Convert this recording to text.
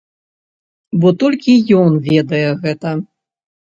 Бо толькі ён ведае гэта.